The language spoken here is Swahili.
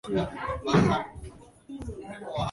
Imekuwa moja ya nchi zinazo tembelewa sana Afrika ya kati